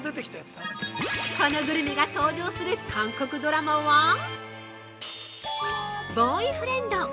このグルメが登場する韓国ドラマは「ボーイフレンド」。